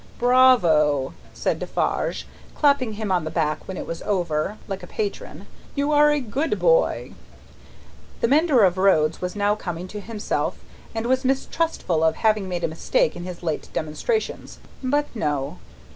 "Bravo!" said Defarge, clapping him on the back when it was over, like a patron; "you are a good boy!" The mender of roads was now coming to himself, and was mistrustful of having made a mistake in his late demonstrations; but no.